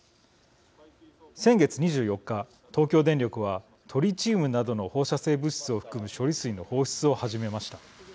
先月２４日東京電力はトリチウムなどの放射性物質を含む処理水の放出を始めました。